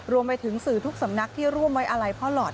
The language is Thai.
รวมไปถึงสื่อทุกสำนักที่ร่วมไว้อาลัยพ่อหลอด